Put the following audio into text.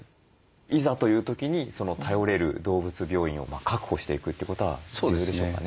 いざという時に頼れる動物病院を確保していくということは重要でしょうかね。